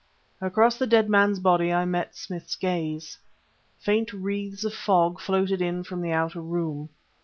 Across the dead man's body I met Smith's gaze. Faint wreaths of fog floated in from the outer room.